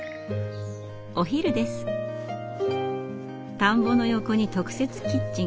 田んぼの横に特設キッチン。